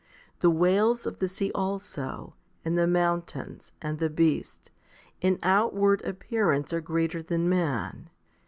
The whales of the sea also, and the mountains, and the beasts, in outward appearance are greater than man.